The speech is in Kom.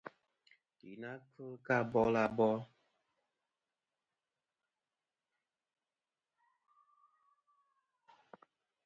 Yì na kfel kɨ abil abol.